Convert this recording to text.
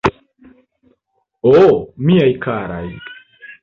Ho, miaj karaj!